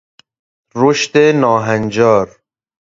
رشد ناهنجار